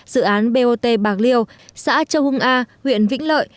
dự án bot bạc liêu xã châu hưng a huyện vĩnh lợi